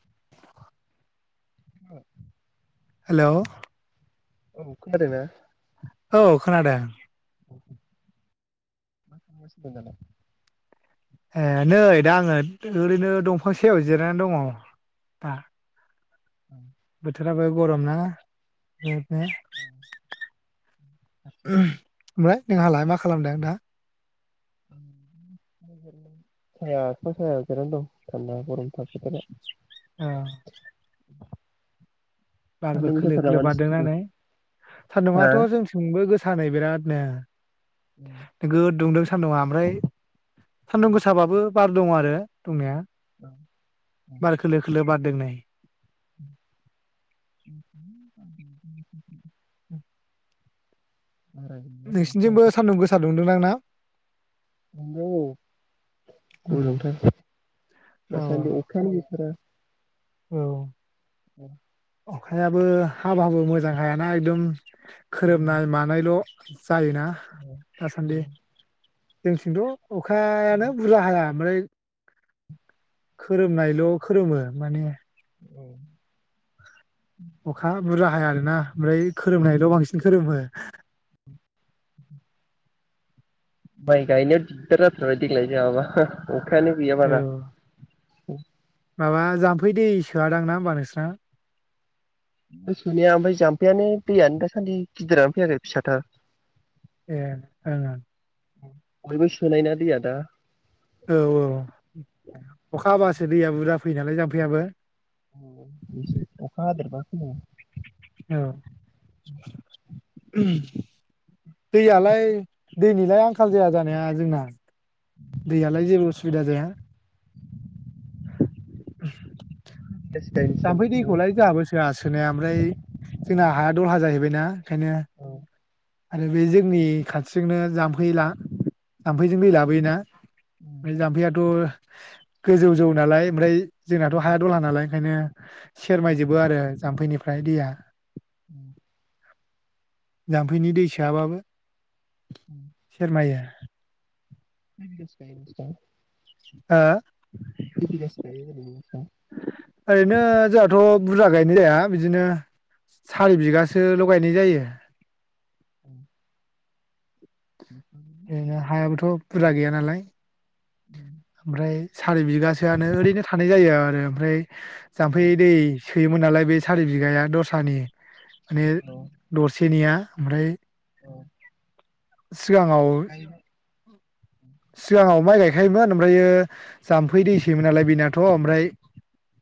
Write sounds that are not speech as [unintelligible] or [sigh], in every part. [unintelligible] [unintelligible] Hello औ खोनादोंना? औ खोनादों। [unintelligible] ए नै दा आङो ओरैनो दंफां सायाव जिरायनानै दङ दा। बोथोराबो गरम ना [unintelligible] हारसिं दं। ओमफ्राय नोंहालाय मा खालामदों दा? साया फिफां सायाव जिरायना दं थान्दा गरम थार। औ बारबो सान्दुं गोसाथार नामा खोलो-खोलो बारदों नोंसिनिथिंबो? नालै हा सान्दुंङाथ' जोंथिंबो गोसानै बिरादनो। नोगोद दुंदों सान्दुंआ ओमफ्राय सान्दुं गोसाबाबो बार दं आरो दंनाया। बार खोलो खोलो बार देग्लाय [unintelligible] [unintelligible] बारा गैला होनबासो नोंसिनिजोंबो जाबाय सान्दुं गोसा दुंदों दां ना? नंगौ औ गरमथार औ दासान्दि अखायानो गैथारा। औ [unintelligible] अखायाबो हाबाबो मोजां हायाना एकदम खोरोमनाय मानायल' जायोना दासान्दि जोंथिंथ' अखायानो बुरजा हाया ओमफ्राय खोरोमनायल' खोरोमो माने। औ अखा बुरजा हाया आरोना ओमफ्राय खोरोमनायल' बांसिन खोरोमो। [inaudible] माय गायनो दिगदार जाथारबाय देग्लाय जाहाबा अखायानो गैयाबा औ दा माबा जाम्फै दै सोआदां ना होनबा नोंसा गोसौनिया ओमफ्राय जाम्फैयानो दैयानो दासान्दि गिदिरानो फैयाखै फिसाथार ए ओं ओं बयबो सोनायना दै आ दा औ औ अखा हाबासो दैया बुरजा फैयो नालाय जामफैयाबो उम बिसे अखा हादेरबा फैयो औ दैयालाय दैनिलाय आंखाल जाया जानाया जोंना। दैयालाय जेबो गोरा जाया। [inaudible] बिगासे जाम्फै गायनोसै दैखौलाय जोंहाबो सोआ सोनाया ओमफ्राय जोंना हाया दलहा जाहैबायना खायनो नालाय आरो बे जोंनि खाथिजोंनो जाम्फै ला जाम्फैजोंबो लाबोयोना बे जाम्फैयााथ' गोजौजौ नालाय ओमफ्राय न'आव औ औ जोंनाथ' हाया दला नालाय ओंखायनो खै सेरमायजोबो आरो जाम्फैनिफ्राय ओमफ्राय दैया उम जाम दैनि दै सोयाबाबो सेेरमाया खै बिगासो गायो नोंस्रा हो खै बिगासो गायो जेनेबा दा ओरैनो जोंहाथ' बुरजा गायनाय जाया बिदिनो सारि बिगासो लगायनाय जायो। [inaudible] औ नो हायाबोथ' बुरजा गैया नालाय ओमफ्राय सारि बिगासोआनो ओरैनो थानाय जायो आरो ओमफ्राय औ जाम्फै दै सोयोमोन नालाय बे सारि बिघाया दस्रानि माने दसि सेनिया ओमफ्राय औ सिगाङाव गायबाय सिगाङाव माइ गाय ओमफ्रायो मा होनोमनलाय बियो जाम्फै दैसोमोन नालाय बेनाथ' ओमफ्राय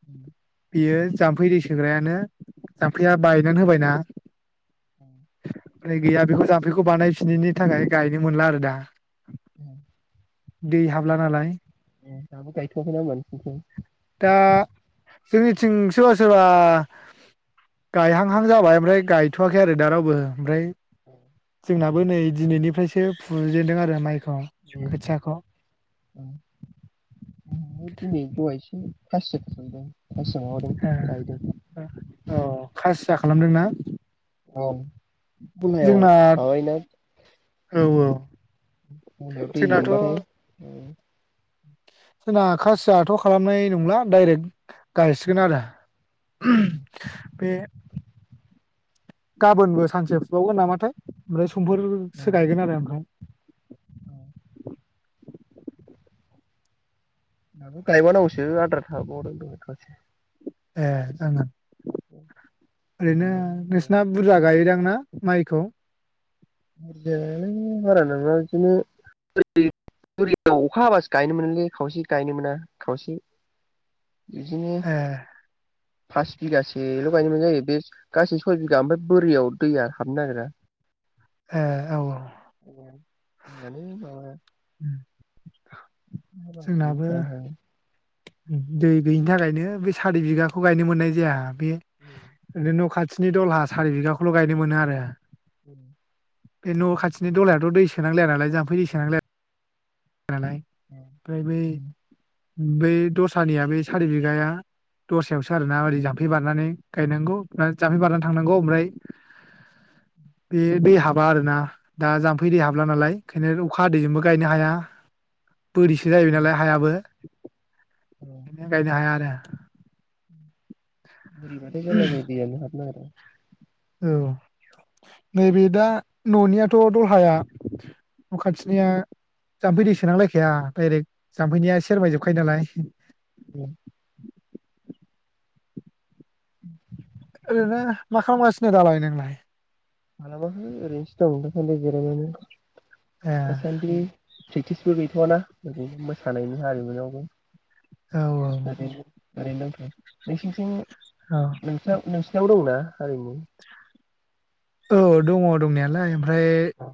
उ बियो जाम्फै दै सोग्रायानो जामफैया बायनानै होबायना होमबा ओमफ्राय गैया बेखौ जाम्फैखौ बानायफिनायनि थाखाय गायनो मोनला आरो दा दै हाबला नालाय दाबो गायथ'वाखै नामा नोंसिनिथिं दा जोंनिथिं सोरबा सोरबा गायहांहां जाबाय ओमफ्राय गायथ'वाखै आरो दा रावबो ओमफ्राय औ जोंनाबो नै दिनैनिफ्रायसो फुजेनदों आरो माइ खौ खोथियाखौ खायसे फुहांदों एस ओ औ खास आथसा खालामदों ना औ फुनायाव माबायोना औ औ मोनायाव दै जोंनाथ' लोमबाथाय जोंना खासियाथ' खालामनाय नंला दडाइरेक्ट गायसिगोन आरो बे गाबोनबो सानसे फुबावगोन नामाथाय ओमफ्राय समफोरसो गायगोन आरो ओमफ्राय [unintelligible] दा गायबाव नांगौसो आद्रा थाबोबावदों दिनै खावसे एह ओं ओं ओरैनो नोंसना बुरजा गायोदां ना माइखौ बुरजायालाय बारा नङा बिदिनो बोरि बोरियाव अखा हाबासो गायनो मोनलै खावसे गायनो मोना खावसे बिदिनो ए पास बिगासेल' गायनो मोन्नाय जायो बे गासै सय बिगा ओमफ्राय बोरियाव दैया हाबनो नागिरा ए औ औ दैयानो माबाया अखा हागासिनो जोंनाबो गायनो हाया दै गैयिनि थाखायनो बे सारि बिगाखौ गायनो मोननाय जाया बेयो बिदिनो अखा हादै थिनि दलहा सारि बिगाखौल' गायनो मोनो आरो उम बे न' खाथिनि दलायाथ' दै सोनांलाया नालाय जाम्फै दै सोनांलाया नालाय ओमफ्राय बे बे दसानिया बे सारि बिगाया दसायावसो आरो माबोरै जाम्फै बारनानै गायनांगौ जामफै बारनानै थांनांगौ ओमफ्राय बे दै हाबा आरोना दा जामफै दै हाबला नालाय ओखायनो अखा हदैजोंबो गायनो हाया बोरिसो जाहैबाय नालाय हायाबो बिदि गायनो हाया आरो [inaudible] बोरिबाथाय जारला जायो दैयानो हाबनो नागिरा औ नैबे दा न'नियाथ' दलहाया न' खाथिनिया जाम्फै दै सोनांलायखाया डाइरेक्ट जामफैनिया सेरबाय जोब फायदालाय ओ [inaudible] ओरैनो मा खालामगासिनो दालाय नोंलाय खालामाखै ओरैनोसो दं दासान्दि जिरायनानै ए दासानदि प्रेक्टिसबो गैथ'वा ना ओरैनो मोसानायनि हारिमुनावबो औ [unintelligible] [inaudible] नोंसोरनिथिं औ नोंसा नोस नाव दंना हारिमु औ दङ दंनायालाय ओमफ्राय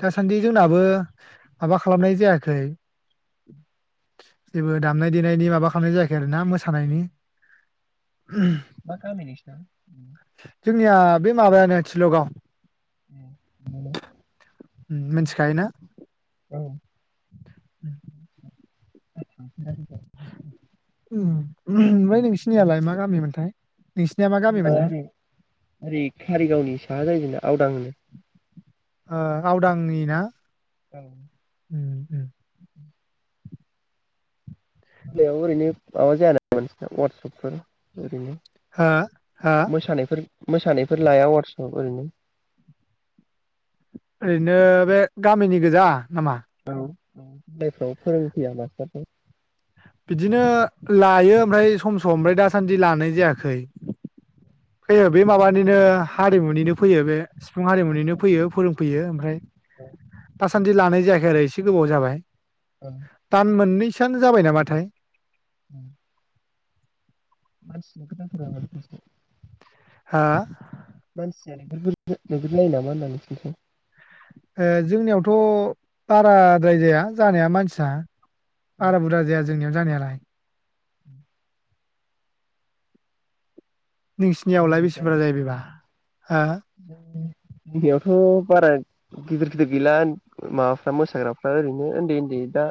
दासान्दि नाबो माबा खालामनाय जायाखै जेबो दामनाय देनायनि माबा खालामनाय जायाखै आरोना मोसानायनि मा गामि नोंसिना जोंनिया बे माबायानो थिलगाव मिथिखायो ना औ [unintelligible] ओम ओमाय नोंसिनियालाय मा गामिमोनथाय नोंसि ओनै ओरै कारिगावनि साहा जायो आवदांङो ओ आवदांनि ना ओं उम उम। बिलायाव ओरैनो माबा जायानामा नोंसिना वास्सएपफोर ओरैनो हो-हो मोसानायफोर मोसानायफोर लाया वाटसाव ओरैनो ओरैनो बे गामिनि गोजा। नामा? जायफ्राव फोरोंफैया मास्टारफोर बिदिनो लायो ओमफ्राय सम सम ओमफ्राय दासान्दि लानाय जायाखै। फैयो बे माबानिनो हारिमुनिनो फैयो बे सुबुं हारिमुनिनो फैयो फोरोंफैयो ओमफ्राय दासान्दि लानाय जायाखै। औरै एसे गोबाव जाबाय। औ दान मोननै सोआनो जाबाय नामाथाय। [inaudible] मानसि [inaudible] हा मानसिया [unintelligible] नामा होनदां नोंसोरनिथिं? ओ जोंनियावथ' बाराद्राय जाया जानाया मानसिया। बारा बुरजा जाया जोंनियाव जानायालाय। उ [inaudible] नोंसिनियावलाय बेसे बुंजोबबाय बुरजा जायो बेबा हो? जोंनियावथ' बारा गिदिर गिदिर गैला माबाफ्रा मोसाग्राफ्रा ओरैनो उन्दै उन्दै दा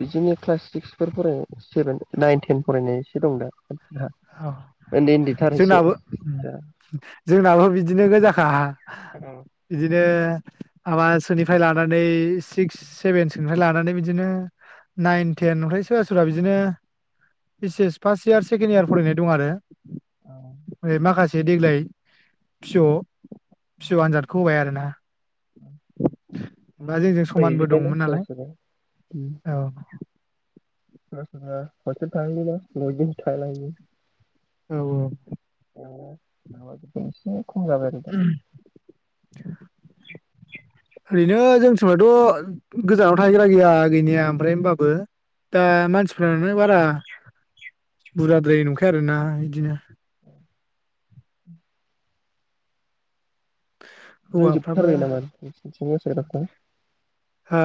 बिदिनो क्लास सिक्सफोर फरायनाय सेभेन नाइन टेन फरायनाय एसे दं दा [unintelligible] ह उन्दै उन्दैथार एसे जोंनाबो दा जोंनाबो बिदिनो गोजा। हा हा दस्रायाव इदिनो माबा सोनिफ्राइ ला नानै सिक्स सेबेनसोनिफ्राय लानानै बिदिनो नायेन थेन ओमफाय सोरबा सोरबा बिदिनो ओइद एस फास्त इयार सेकेन इयार फरायनाय दं आरो। माखासे देग्लाय फिअ फिअ आनजादखौ होबाय आरो ना। [unintelligible] दस्रायाव फराय समानबो हैजोबबायना दंमोन नालाय सोरबा सोरबा। औ [unintelligible] औ औ। [unintelligible] दा ओरैनो जोंनि समावथ' गोजानाव थाहैग्रा गैया गैनाया ओमफ्राय होमबाबो दा मानसिफ्रानो बारा बुरजाद्राय नंखाया आरोना बिदिनो हौवाफ्राबो नांजोबथारबाय नामा? [unintelligible] हा?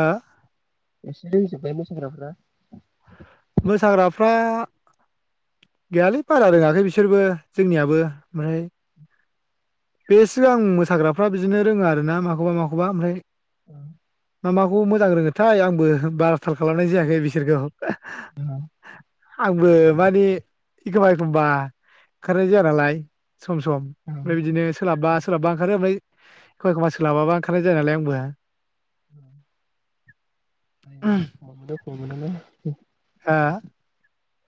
एसे रोंजोबबाय मोसाग्राफ्रा। मोसाग्राफ्रा गैयालै बारा रोङाखै बिसोरबो जोंनियाबो ओमफ्राय बे सिगां मोसाग्राफ्रा बिदिनो रोङो आरो ना माखौबा माखौबा ओमफ्राय ओं। मा माखौ मोजां रोङोथाय आंबो बा थाल खालामनाय जायाखै बिसोरखौ। दा। आंबो माने एखमबा एखमबा खारनाय जाया नालाय। सम सम ओमफ्राय बिदिनो सोलाबबा सोलाबबा ओंखारो ओमफ्राय एखमबा एखमबा सोलाबाबा ओंखारनाय जाया नालाय आंबो। [inaudible] हा [unintelligible] हा।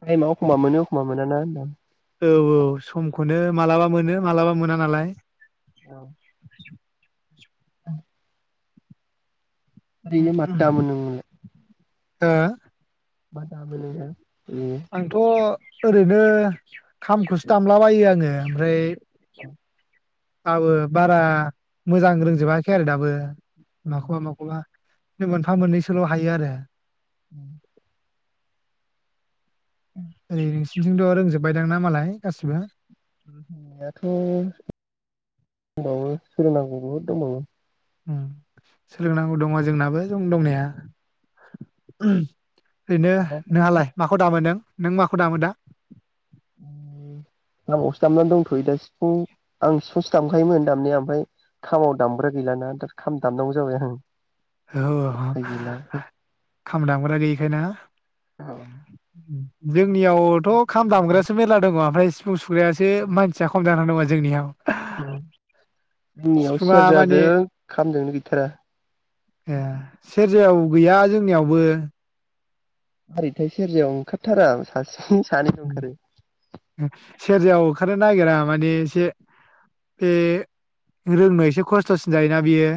टाइमाव अखमबा मोनो अखमबा मोनाना होनदां। औ औ समखौनो मालाबा मोनो मालाबा मोना नालाय। औ। [inaudible] [unintelligible] ओ। मा‌ दामो नोथां? आंथ' ओरैनो खामखौसो दामलाबायो आङो ओमफ्राय [inaudible] आबो बारा मोजां रोंजोबाखै आरो दाबो। माखबा माखबा। नों मोनफा मोननैसोल हायो आरो। उम। ओरै नोंसिनिथिंथ' रोंजोबबाय दां ना मालाय गासिबो। रोंनायाथ दंबावो सोलोंनांगौ बहुद दंबावो। उम। सोलोंनांगौ दङ जोंनाबो जों दंनाया। दंबावो [inaudible] ओरैनो नोंहालाय माखौ दामो नों। नों माखौ दामो दा। खामावसो दामनानै दंथयो दा सिफुं आं सिफुंसो दामखायोमोन दामनाया ओमफ्राय खामाव दामग्रा गैलाना दा खाम दामनांगौ जाबाय आं। औ उफाय गैला। [unintelligible] खामदांमग्रा गैयिखाय ना। उम। जों। जोंनियावथ खाम दामग्रायासो मेरला दङ ओमफ्राय। ससु। खुग्रायासो मानसिया खम जानानै दं आरो। जोंनियाव। ओम‌ जोंनियाव सिफुङा माने सेरजाजो खामजोनो गैथारा। ए सेरजायाव गैया जोंनियावबो। हारिथाय सेरजायाव ओंखारथारा सासे। सानैल' ओंखारो। उम। सेरजायाव ओखारनो नागिरा माने एसे बे रोंनो एसे खस्थसिन जायोना बियो।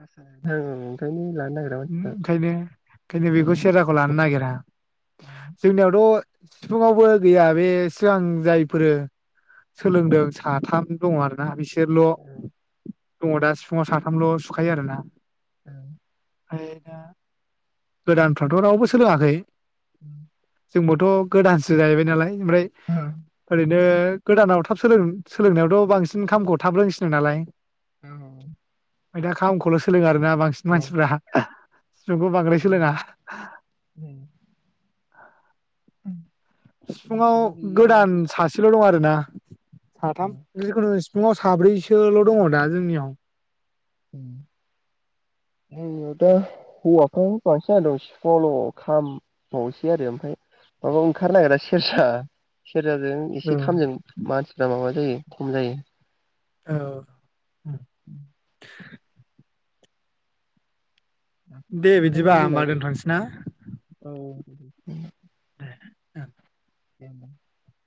ओं ओंखायनो लानो नागिरा मानसिफ्रा। ओंखायनो ओंखायनो बेखौ सेरजाखौ [inaudible] जोंनियावथ। [inaudible] फुङावबो गैया बे सिगां जायफोरो सोलोंदों साथाम दङ आरोना बिसोर। जेरल। दङ दा सिफुाव साथामल सुखायो आरोना उम। ओमफ्राय दा गोदानफ्राथ रावबो सोलोङाखै। [inaudible] जोंबोथ। गोदानसो जाहैबाय नालाय। ओमफ्राय ओरैनो। गोदानाव थाब सोंलों सोलोंनायावथ' बांसिन खामखौ थाब रोंसिनो नालाय औ ओमफ्राय दा खामखौल' सोलोंङो आरो ना बांसिन मानसिफोरा सिफुंखौ बांद्राइ सोलोंङा उम सिफुुंङाव गोदान सासेल' दं आरो ना सा थाम गैया जिखुनु सि फुंङाव साब्रैसोल' दङ दा जोंनियाव उम जोंनियाव दा हौवाफ्रा बांसिन जाना दं सिफुंङावल'' खामबावसै आरो ओमफ्राय माबा ओंखारनो नागिरा सेरजा सेरजाजों औ एसे खामजों मानसिफ्रा माबा जायो खम जायो औ उम [inaudible] दे लादोंमोन बिदिबा होमबा जोंनाबो दोनथ'नोसै ना [inaudible] ओं [inaudible]